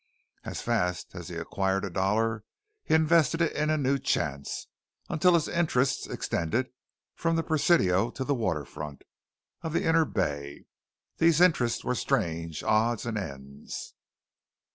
As fast as he acquired a dollar, he invested it in a new chance, until his interests extended from the Presidio to the waterfront of the inner bay. These interests were strange odds and ends.